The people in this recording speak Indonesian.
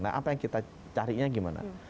nah apa yang kita carinya gimana